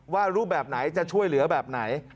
ว่ารูปแบบไหนจะช่วยเหลือแบบไหน